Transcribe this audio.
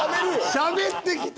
しゃべってきた？